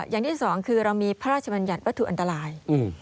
อย่างที่สองคือเรามีพระราชบัญญัติวัตถุอันตราย